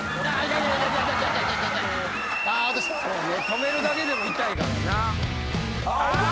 止めるだけでも痛いからな。